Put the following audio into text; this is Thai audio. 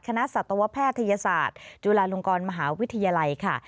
สัตวแพทยศาสตร์จุฬาลงกรมหาวิทยาลัยค่ะ